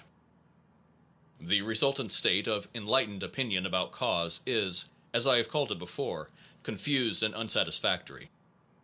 1 The resultant state of enlightened opinion* about cause, is, as I have called it before, con fused and unsatisfactory.